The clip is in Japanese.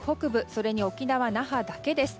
それに沖縄・那覇だけです。